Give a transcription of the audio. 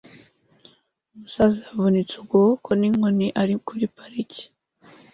Umusaza wavunitse ukuboko n'inkoni ari kuri parike